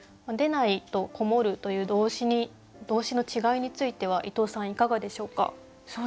「出ない」と「こもる」という動詞の違いについては伊藤さんいかがでしょうか？